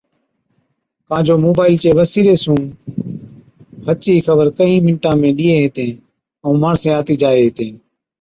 ڪان جو موبائِيلِي چي وسِيلي سُون ھچ ئِي خبر ڪھِين مِنٽا ۾ ڏِيئَين ھِتين ائُون ماڻسين آتِي جائي ھِتين